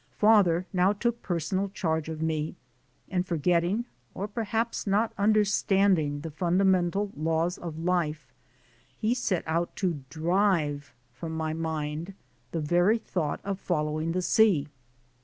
Father now took personal charge of me, and forgetting, or perhaps not understanding, the fundamental laws of life, he set out to drive from my mind the very thought of following the sea.